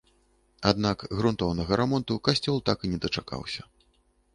Аднак грунтоўнага рамонту касцёл так і не дачакаўся.